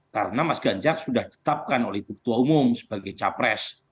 karena mas ganjar sudah ditetapkan oleh ketua umum sebagai capres